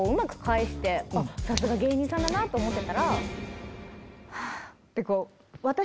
さすが芸人さんだなと思ってたら。